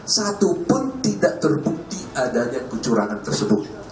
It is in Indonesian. satupun tidak terbukti adanya kecurangan tersebut